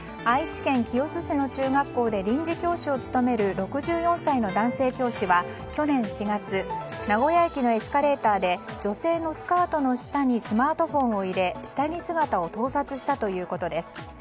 愛知県清須市の中学校で臨時教師を勤める６４歳の男性教師は去年４月名古屋駅のエスカレーターで女性のスカートの下にスマートフォンを入れ下着姿を盗撮したということです。